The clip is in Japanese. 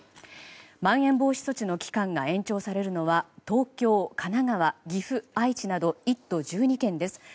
まん延防止措置の期間が延長されるのは東京、神奈川、岐阜、愛知など１都１２県です。